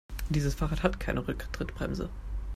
Dieses Fahrrad hat keine Rücktrittbremse.